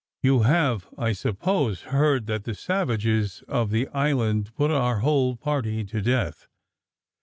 "You have, I suppose, heard that the savages of the island put our whole party to death.